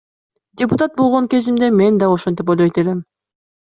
Депутат болгон кезимде мен да ошентип ойлойт элем.